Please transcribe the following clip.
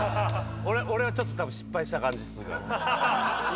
俺はちょっとたぶん失敗した感じするのよ。